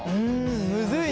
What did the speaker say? むずいね。